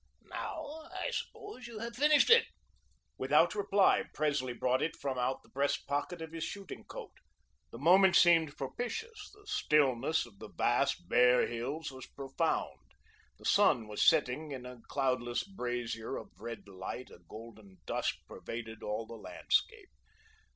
Now, I suppose, you have finished it." Without reply, Presley brought it from out the breast pocket of his shooting coat. The moment seemed propitious. The stillness of the vast, bare hills was profound. The sun was setting in a cloudless brazier of red light; a golden dust pervaded all the landscape.